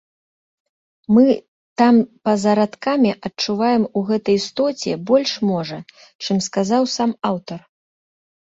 Мы там па-за радкамі адчуваем у гэтай істоце больш можа, чым сказаў сам аўтар.